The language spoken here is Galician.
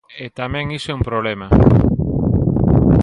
E tamén iso é un problema.